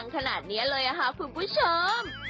ขนาดนี้เลยค่ะคุณผู้ชม